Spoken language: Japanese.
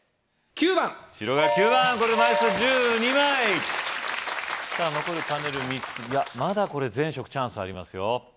９番白が９番これで枚数１２枚さぁ残るパネル３つまだこれ全色チャンスありますよ